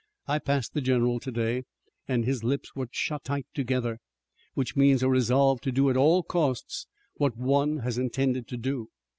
"I passed the General today and his lips were shut tight together, which means a resolve to do at all costs what one has intended to do.